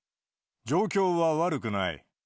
状況は悪くない。